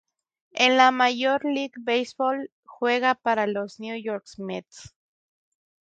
En la Major League Baseball juega para los New York Mets.